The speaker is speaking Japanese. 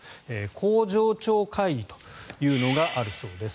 工場長会議というのがあるそうです。